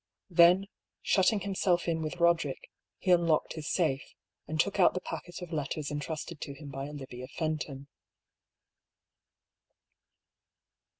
Then shutting himself in with Boderick, he unlocked his safe, and took out the packet of letters entrusted to him by Olivia Fenton.